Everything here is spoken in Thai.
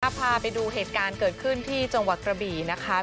พาไปดูเหตุการณ์เกิดขึ้นที่จังหวัดกระบี่นะคะ